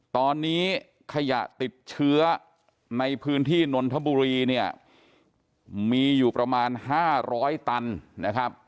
ตอนนี้ขยะติดเชื้อในพื้นที่นนทบุรีเนี่ยมีอยู่ประมาณ๕๐๐ตันนะครับ